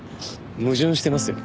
矛盾してますよ。